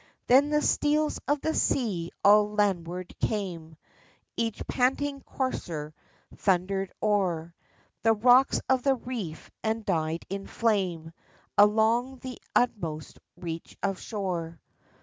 Then the steeds of the sea all landward came, Each panting courser thundered o'er The rocks of the reef and died in flame Along the utmost reach of shore.